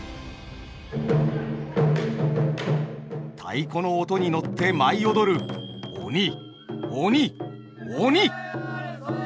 太鼓の音に乗って舞い踊る鬼鬼鬼！